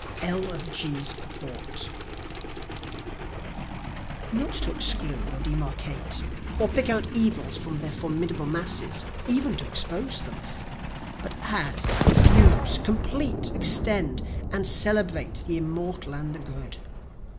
L. of G.'s Purport Not to exclude or demarcate, or pick out evils from their formidable masses (even to expose them,) But add, fuse, complete, extend and celebrate the immortal and the good.